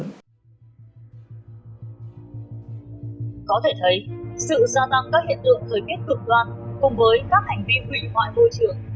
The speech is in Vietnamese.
có thể thấy sự gia tăng các hiện tượng thời tiết cực đoan cùng với các hành vi hủy hoại môi trường